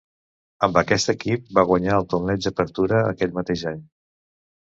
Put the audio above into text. Amb aquest equip va guanyar el Torneig Apertura aquell mateix any.